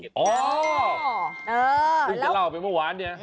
อ๋อเออแล้วจะเล่าไปเมื่อวานเนี่ย